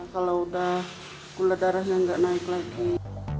iya kalau sudah gula darahnya nggak naik lagi